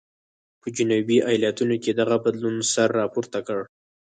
په جنوبي ایالتونو کې دغه بدلون سر راپورته کړ.